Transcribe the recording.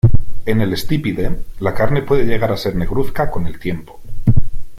En el estípite, la carne puede llegar a ser negruzca con el tiempo.